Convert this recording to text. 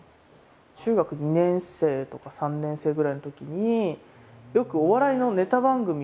中学２年生とか３年生ぐらいのときによくお笑いのネタ番組をやってたんですね。